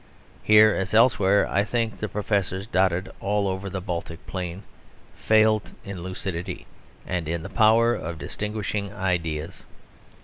Here, as elsewhere, I think the professors dotted all over the Baltic plain fail in lucidity, and in the power of distinguishing ideas.